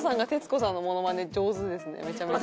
めちゃめちゃ。